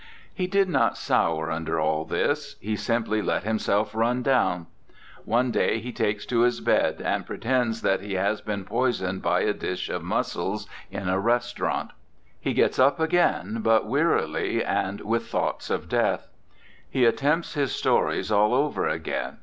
He did not sour under all this; he simply let himself run down. One day he takes to his bed, and pretends that he has been poisoned by a dish of mus sels in a restaurant; he gets up again, but wearily, and with thoughts of death. He attempts his stories all over again.